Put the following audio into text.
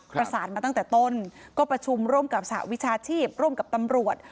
ประสานมาตั้งแต่ต้นก็ประชุมร่วมกับสหวิชาชีพร่วมกับตำรวจ